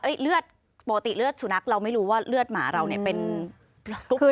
เลือดปกติเลือดสุนัขเราไม่รู้ว่าเลือดหมาเราเนี่ยเป็นลูก